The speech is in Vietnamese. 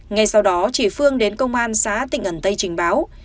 ngay sau đó chị phương đến công an xã tỉnh ẩn tây trình báo